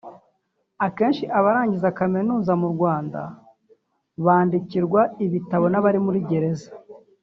Akenshi abarangiza Kamunuza mu Rwanda bandikirwa ibitabo n’abari muri Gereza